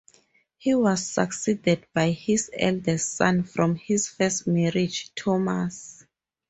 He was succeeded by his eldest son from his first marriage, Thomas.